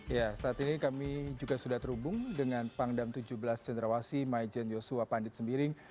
ya saat ini kami juga sudah terhubung dengan pangdam tujuh belas cendrawasi maijen yosua pandit sembiring